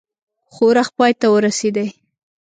ښورښ پای ته ورسېدی.